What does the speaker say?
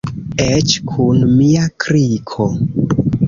Eĉ kun mia kriko.